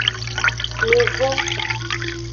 Nuvon.